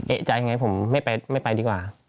เอกใจไงผมไม่ไปดีกว่า